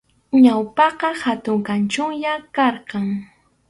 Ñawpaqqa hatun kanchunllam karqan.